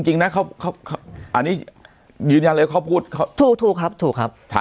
อเจมส์เหมือนอันทร์ชาติ